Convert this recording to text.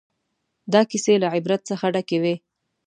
دا کیسې له عبرت څخه ډکې وې.